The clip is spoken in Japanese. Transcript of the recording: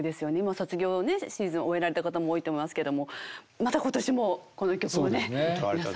卒業シーズン終えられた方も多いと思いますけどもまた今年もこの一曲をね皆さん。